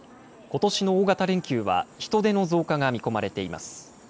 ことしの大型連休は、人出の増加が見込まれています。